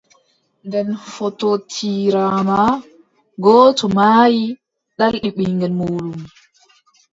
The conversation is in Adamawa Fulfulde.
Nden fotootiraama, gooto maayi, ɗali ɓiŋngel muuɗum.